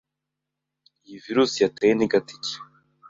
Iyi virus yateye ni gati cyi